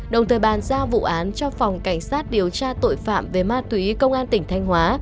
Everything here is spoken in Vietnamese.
đồng thời bàn giao vụ án cho phòng cảnh sát điều tra công an tp thanh hóa